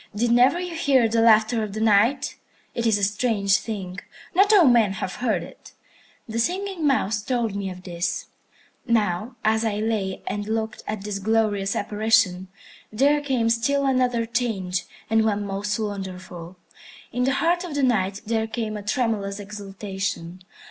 Did never you hear the laughter of the Night? It is a strange thing. Not all men have heard it. The Singing Mouse told me of this. Now as I lay and looked at this glorious apparition, there came still another change, and one most wonderful. In the heart of the Night there came a tremulous exultation.